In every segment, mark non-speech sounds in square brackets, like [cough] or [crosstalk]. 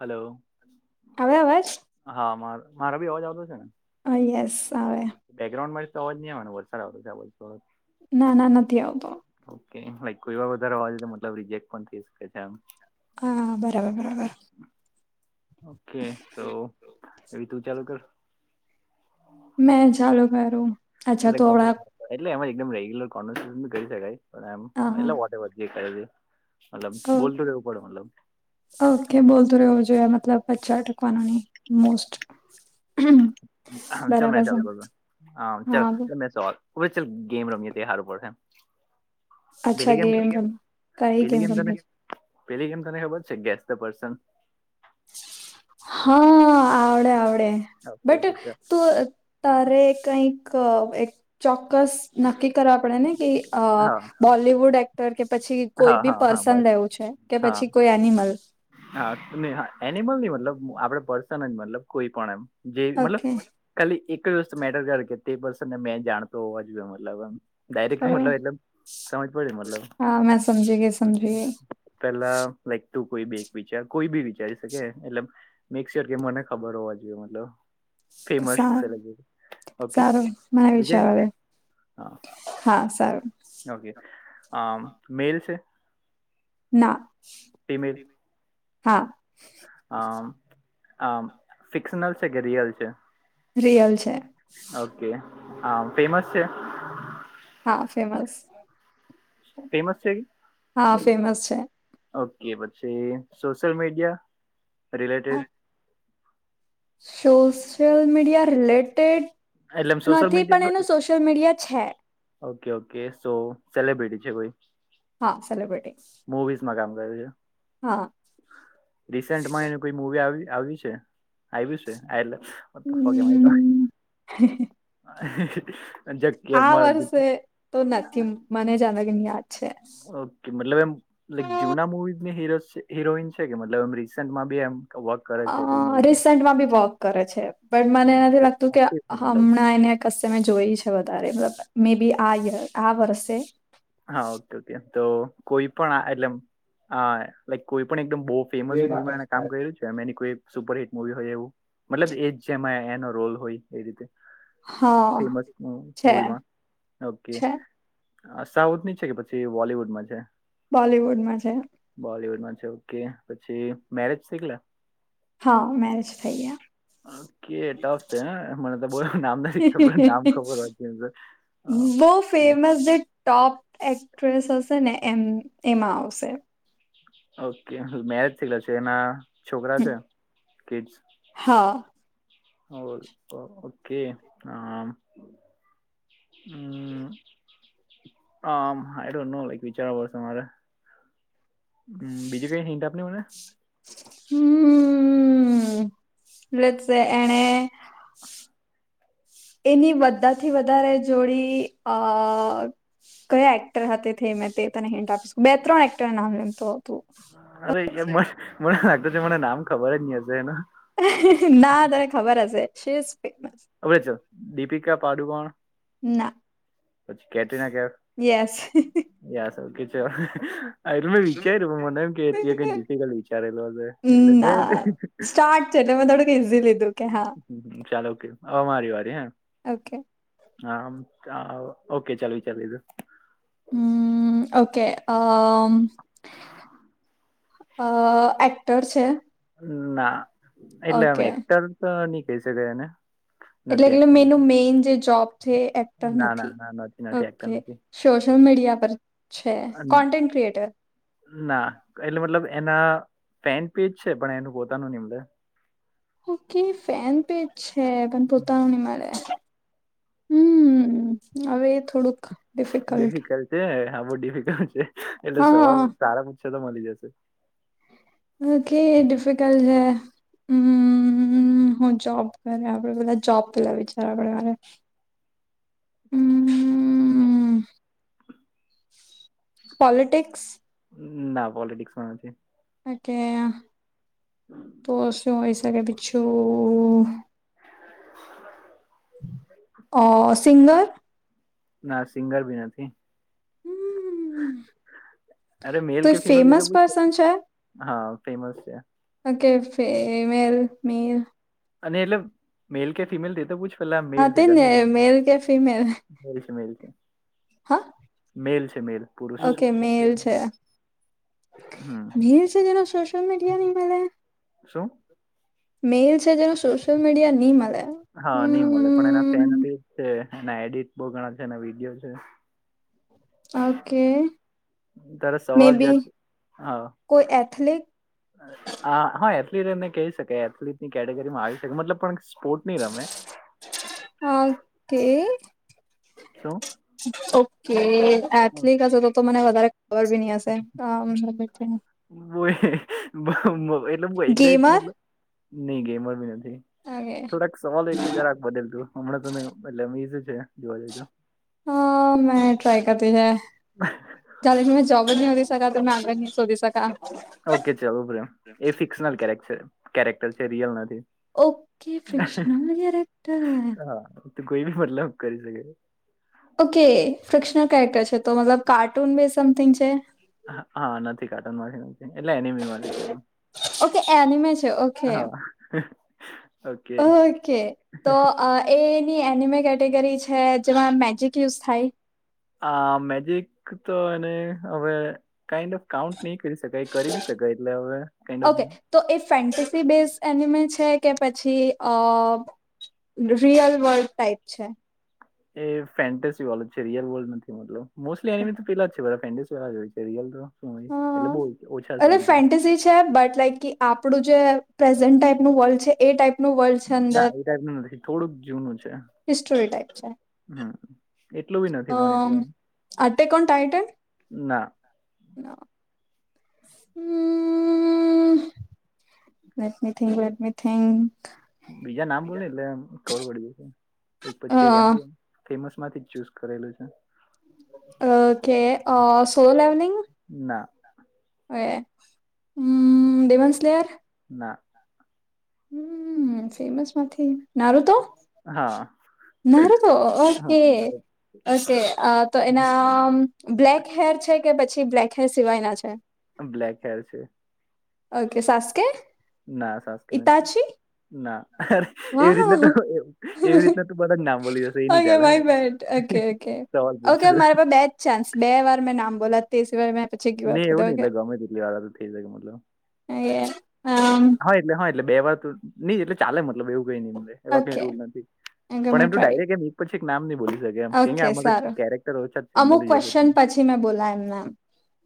Hello આવે અવાજ હા મારા ભી અવાજ આવતો છે ને. હ યસ આવે. બેકગ્રાન્ડમાં તો અવાજ નહીં આવેનો વરસાદ આવ. ના ના નથી આવતો. ઓકે લક કોઈ વા વધારે વાવાજે તો મતલબ રિજેક્ટ પણ થઈ શકે છે એમ. હા બરાબર બરાબર. ઓકે તો એવી તું ચાલુ કર. મે ચાલો પરુ. એટલે ગમે એટલે એકમ રેગ્યુલર કોન્ન કરી શકાય. એમ હા એટલે હા વોટેવર દેખાય છે મતલબ બોલતું રહેેવું પડે મતલબ. ઓકે બોલતો રહવો જો મતલબ પ ચાર ટકવાનો ની મોસ્ટ. હાચ બરાબર મે છે ચાલુ કરદોઓ હા ચાલ એ મે સવાલ. ઓયચલ ગેમ રમીએ તે હાર ઉપર એમ. અચ્છા પિલી ગેમ રમ કઈ પેલી ગેમ રમ તને. પેલી કેમ તને ખબર છે ગેસ્ટ ધ પર્સન. હા આવડે આવડે ઓકે બટ ઓકે, ચાલ. તું. તારે કઈક એક ચોક્કસ. નક્કી કરો આપણે ને કે હા બોલિવુડ. કે પછી હા કોઈ બી હા હા પર્સન બસ લેવું છે કે હા પછી કોઈ એનિમલ. હા ન હા એનિમલ નની મતલબ આપડે પર્સન જ મતલબ કોઈ પણ એમ. જે મતલબ. ઓકે ખાલી એકજ વસ્ત મેટર કર કે તે પર્સન ને મેં જાણતો હોવા જો મતલબમ. ડાયરેક્ટ મતલબ બરાબર. એટલે સમજ પડે મતલબ. હા મેં સમજી ગઈ સમજી ગઈ પેલા લાઈક ટું. કો વિચાર કોઈ બી વિચારી શકે એટ મેર કે મને ખબર હોવા જોઈએ, મતલબ ફેમસ સારું સેલિબ્રિટી ઓકે સારુ મને વિચાર વિચાર્યું આવે હા હા સારુ ઓકે મેલ છે. ના ટીમેલ હા હ આ ફિક્શનલ છેકે, રિયલ છે. રિયલ છે. ઓકે હ ફેમસ છે. હા ફેમસ ફેમસ છેકે. હા ફેમસ છે. ઓકે પછી સોશિયલ મીડિયા હા રિલેટેડ સોશિયલ મીડિયા રિલેટેડ એટલે સોશિયલ નથી પણ મીડિયા પર એનું સોશ સોશલ મીડિયા છે. ઓકે ઓકે સો સેલિબ્રિટી છે, કોઈ હા સેલિબ્રિટી મુવીઝમાં કામ કર્યું છે હા રિસેમાં એ વી આવી આવી છે, આવ્યુ છે એટલે હમ જક આ મળ વર્ષે તો નથી મને જણ કેની યાદ છે. ઓકે મતલબ એમ લક જુના મુવીઝની હીરો હીરોઈન છે, કે મતલબ એમ રિસેન્ટમાં બી એમ વર્ક કરે અ છે કોઈ મૂવીમાં રિસન્ટમાં બી વોક કરે છે, પણ મને નથી ઓકે, લાગતું કે એક્ટિવ છે મતલબ હમણા એને ક મેં જોઈ છે, વધારે મલ મે બી આ ર આ વર્ષે હા ઓકે ઓકે તો કોઈ પણ એટલે હ લક કોઈ પણ એકદમ બો ફેમસ મુવી માં એ કામ કરેલું છે. એ એની કોઈ સુપરહિટ મુવી હોય એવુ, મતલબ એજ જેમાં એનો રોલ હોય એ રીતે હા ફેમસ છે મૂવીમા ઓકે છે સાઉથ ની છે, કે પછી બોલીવુડમાં છે. બલલીવુડમાં છે. બોલિવુડમા છે, ઓકે પછી મેરેજ શીખલે હા મેજ ભાઈ ઓકે ટફ છે, મને તો બહ એવ નામ નથી ખબર નામ ખબર હો, એ બો ફેમસ જે ટોપ એક્ટ્રેસ હશે, ને એમ એમાં આવશે ઓકે મેરેજ શીખલા છે, એના છોકરા હમ, છે કિડસ હા હ ઓકે હ હમ આમ આઈો નો લક વિચારવા પશે મારે હમ બીજજી કઈ સિન્ટ આપની હો ને હમ બલે એણે એની બધાથી વધારે જોડી અ કયા એક્ટર હતા તે મેં તે તને હેંન્ટ આપીશું બે ત્રણ એક્ટર નામ લેમતો હતુ. અરે એ મ મને લાગ છે, મને નામ ખબર જ નહી હશે એને ના તરે ખબર હશે શેષ અલે છેો દીપિકા પાડુવાણ ના સ યા સું કેછુ. આ મે વિચાર્યું મમ કે ડિફિકલ્ટ વિચાર એટલે મે ના સ્ટાર્ટ છે, એટલે મેં થોડુંક ઈઝી લીધું કે હા ચાલો ઓકે હવે મારી વારી હે. ઓકે હામ કા ઓકે ચાલ વિચારી લીધો. હમ ઓકે આ અ એક્ટર છે. ના એટલે આમ ઓકે એક્ટર તો નઈ કહી શકાય એને. એટલે નથી એટલે એક્ટર મેનું મેન જે જોબ છે એક્ટર ના ના નથી. ના નથી નથી એક્ટર ઓકે નથી સોશિયલ મીડિયા પર છે કોન્ટેન્ટ ક્રિએટર. ના એટલે મતલબ એના ફેન પેજ છે પણ એનું પોતાનું નિમલે. ઓકે ફેન પેજ છે પણ પોતાનું નહી મળે. હમ હવે થોડુંક. ડિફિકલ્ટ છે આ બહુ ડિફિકલ્ટ છે એટલે હા સવાલ સારા હે તો મલી જશે. ઓકે ડિફિકલ્ટ છે. હમ હું જોબ કરે આપડે પેલા જોબ પેલા વિચાર આપડે મારે. હમ. પોલિટિક્સ. ના પોલિટિક્સ માં નથી. ઓકે તો શું હોય શકે પીછું. [inaudible] અ સિંગર. ના સિંગર ભી નથી. હમ અરે મેલ કોઈ કે ફિમેલ એ તો ફેમસ પૂછ પર્સન છે હા ફેમસ છે. ઓકે ફીમેલ મેલ અને એટલે મેલ કે ફિમેલ તે તો પૂછ પેલા મેલ હા છે તે જા. ને મેલ કે ફિમેલ મેલ છે મેલ છે હા મેલ છે મેલ. પુરુષ ઓકે મેલ છે હમ મેલ છે જેનો સોશિયલ મીડિયા ની મળે. શું? મેલ છે જેનો સોશિયલ મીડિયા નહી મળે. હા નઈ મળે પણ એના ફેન હમ પેજ છે એના એડિટ બહુ ઘણા છે એના વિડીયો છે. ઓકે તારે મે સવાલ જ બી કોઈ એથલિક. હ હા એથ્લીટ એને કહી શકે એથલીટ ની કેટેગરીમાં આવી શકે મતલબ પણ સ્પોર્ટ નહી રમે. હ ઓકે. શું? ઓકે એથલિક હશે તો તો મને વધારે ખબર બી ની હશે [unintelligible] બો એટલે બો ગેમર [unintelligible] નહી ગેમર બી નથી. ઓકે થોડાક સવાલ એટલે જરાક બદલ તું હમણાં તો ને એટલે અઝ છે જોવા જઈજ. હ મેં ટ્રાય કરતી છે. જારે મેં જોબ જ ની હોધી શકા તો મેં આગળ ની શોધી શકા. ઓકે ચાલ ઉભરે એ ફિક્શનલ કેરેટ છે કેરેક્ટર છે રિયલ નથી. Okay fictional character. તો કોઈ બી મતલબ કરી શકે. ઓકે ફ્રિક્શનલ કેરેક્ટર છે તો મતલબ કાર્ટૂન ને સમથિંગ છે. હા નથી કાર્ટૂન માંથી નથી એટલે એનિમે વાળી છે. ઓકે એનીમે છે ઓકે હા ઓકે ઓકે તો અ. એની એનિમે કેટેગરી છે જેમાં મેજિક યુઝ થાય. આ મેજિક તો એને હવે કાઇન્ડ ઓફ કાઉન્ટ નહી કરી શકાય. કરી ભી શકાય એટલે હવે કાઈન્ડ ઓફ. ઓકે તો એ ફેન્ટસી બેઝ એનીમે છે કે પછી અ રિયલ વર્લ્ડ ટાઇપ છે. એ ફેન્ટસી વર્લ્ડ છે રિયલ વર્લ્ડ નથી મતલબ મોસ્ટલી એનીમી પેલા. ફેન્ટસીવાળા હોય છે રિયલ જો હમ અરૅ ફેન્ટસી છે બટ લાઈક. આપણું જે પ્રેઝન્ટ ટાઈપનું વર્લ્ડ છે એ ટાઈપ. ના એ ટાઈપનું નથી થોડુંક જુનું છે હિસ્ટોરી ટાઈપ છે હમ એટલું બી નથી પણ એટલું એમ અટેક ના ના હ let me think let me think બીજા નામ બોલને એટલે ખબર પડી જશે એક પછી એક એમ ફેમસ માંથી જ ચૂઝ કરેલું છે ઓકે અ સોલાર નઈ મુકેલુ ના અરે હમ દેવાન્સલેયાર ના હમ ફેમસ માંથી નારું તો હા નારું તો હા ઓકે હશે તો એના બ્લેક હેર છે કે પછી બ્લેક હેર સિવાયના છે બ્લેક હેર છે ઓકે સાસ કે ના સાસ કે નથી ના અરે એવી રીતના તો વાવ એવી રીતના તું બધા જ ના બોલી હશે એ ની ઓકે ચાલે માય બેડ ઓકે ઓકે સવાલ ઓકે પૂછું તો મારા બે જ ચાન્સ બે વાર મેં નામ બોલ્યાં તે સિવાય મે પછી ગીવ વધારયુ કે તમે જેટલી વાર લાગે કે એટલૅ મતલબ હ હા એટલે હા એટલે બે વાર ની એટલે ચાલે મતલબ એવું કઈ ની મલે એવા કઈ ઓકે રૂલ નથી ઓકે પણ મેં એમું ટ્રાય ડાયરેક્ટ એ પછી એક નામ નહી બોલી શકે એમ કેમ કે ઓકે આમા તો સારું કેરેક્ટર ઓછા છે અમુક મળી જશે તને ક્વેશ્ચન પછી મેં બોલા એમના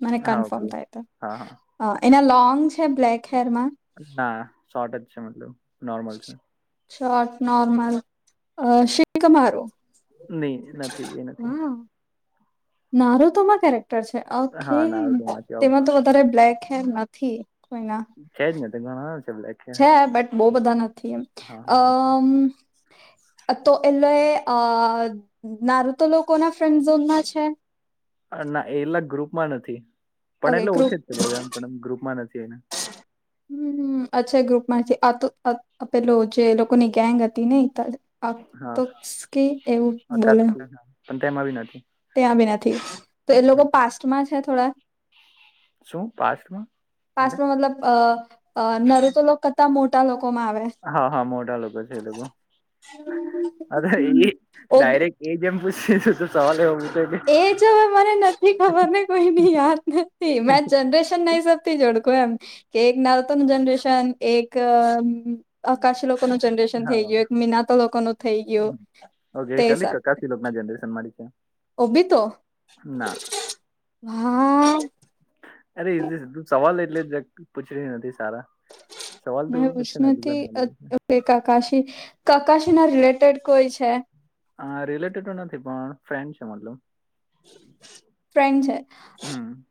મને હા કન્ફર્મ ઓકે થાય તો હા હા અ એના લોંગ છે બ્લેક હેરમાં ના શોટ જ છે મતલબ નોર્મલ છે શોર્ટ નોર્મલ સેક તમારો નહી નથી એ નથી હા નારો તોમાં કર્યારેક ઓકે હા ના આવે તો વાંચી આવું. તેમાં તો વધારે બ્લેક હેર નથી કોઈના છેજ ને ઘણાના છે બ્લેક છે બટ બહુ બધા નથી એમ હા હા ઓકે અમ અતો એટલે અ નારુ તો લોકોના ફ્રેન્ડ ઝોનમાં છે ના એટલા ગ્રુપમાં નથી પણ ઓકે એટલે ગ્રુપ ઓળખૅ છે જ છે બધામાં પણ ગ્રુપમાં નથી એના હમ અચ્છા ગ્રુપમાંથી અતો અતો પેલો જે લોકોની ગેંગ હતી ને હા આતસ્કી એવું બૉલૉ અકાતથી હા પણ તેમાં બી નથી ત્યાં બી નથી તો એ લોકો હમ પાસ્ટમાં છે થોડા શું સું પાસ્ટમાં એટલે પાસ્ટમાં મતલબ અ નરુ તો લોકો કરતા મોટા લોકો માં આવે હા હા મોટા લોકો છે એ લોકો અરૅ ઈ ઓ ડાયરેક્ટ એ જેમ પૂછીશું તો સવાલ એ હું તો એ જ હવે મને ખબર કોઈ ન યાદ નથી ઍમાં જનરેશનના હિસાબસસતી જોડકોમ કે એક નાતાનું જનરેશન એક આકાશી લોકો ન જનરેશન થઈ હા ગયું એક મિનાતા લોકો ન થઈ ગયું ઓકે તે ચાલી હિસાબે કકાસી લોકો ના જનરરેેશન મળી છે. ઓભી તો ના હા અરે ઈઝી તું સવાલ એટલે જ પૂછે નથી સારા સવાલ તો એવું પૂછે ને મળી જશે કે કાકાશી કકાશી ના રિલેટેડ કોઈ છે. રિલેટિવ તો નથી પણ ફ્રેન્ડ છે મતલબ ફ્રેન્ડ છે. હમ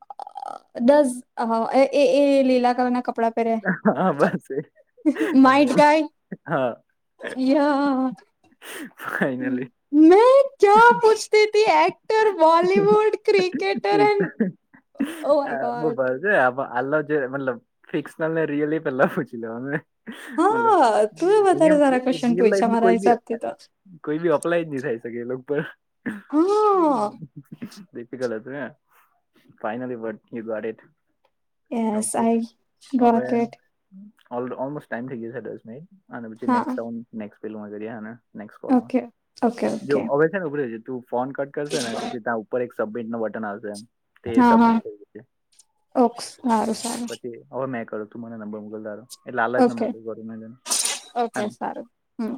દસ એ એ લીલા કલર ના કપડા હા બસ એ [unintelligible] યા ફાઈનલી મે ક્યા પૂછતીથી actor Bollywood cricketer and oh [unintelligible] my god છે આમાં આ જે મતલબ ફિક્સનલ ને રિયલી પહેલા પૂછી લેને મતલબ હા તું વધારે સારા ક્વેશ્ચન રિયલ પૂછ્યા લાાઈફ મારા કોઈ ભી હિસાબથી તો કોઈ બી અપ્લાય જ નહી થાય શકે એ લોગ પણ [unintelligible] [unintelligible] ફાઇનલી [unintelligible] યસ ઓકે આઈ હવે ગોટ ઇટ ઓલમોસ્ટ ટાઈમ થઈ ગયોશે દસ મિનિટ અને પછી હા નેક્સ ફિલ્મમાં જઈએને ઓકે ઓકે ઓકે હવે છે ને ઉભરે છે તું ફોર્ન કટ કરશે ને પછી ત્યાં ઉપર એક સબમિટ ન બટન આવશે તે હા હા સબમિટ છે ઓક સારું સારું પછી હવે મેં કરું ત મને નંબર મોકલારો એટલે આલા જ ઓકે નંબર હા ઓકે હમ સારું હમ